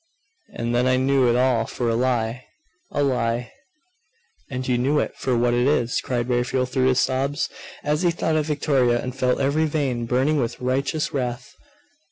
And then I knew it all for a lie! a lie!' 'And you knew it for what it is!' cried Raphael through his sobs, as he thought of Victoria, and felt every vein burning with righteous wrath.